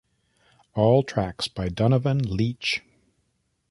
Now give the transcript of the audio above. All tracks by Donovan Leitch.